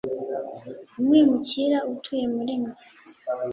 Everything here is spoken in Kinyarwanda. umwimukira utuye muri mwe